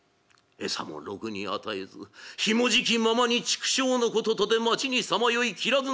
餌もろくに与えずひもじきままに畜生のこととて町にさまよいきらず